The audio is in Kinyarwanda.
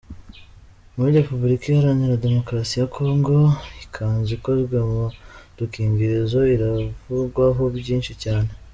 Muri Repubulika iharanira demokarasi ya Congo, ikanzu ikozwe mu dukingirizo iravugwaho byinshi cyane.